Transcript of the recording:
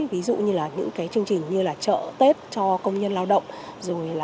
ví dụ như những chương trình như trợ tết cho công nhân lao động